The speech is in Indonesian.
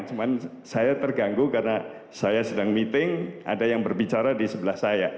cuman saya terganggu karena saya sedang meeting ada yang berbicara di sebelah saya